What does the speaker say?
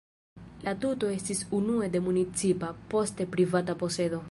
La tuto estis unue de municipa, poste privata posedo.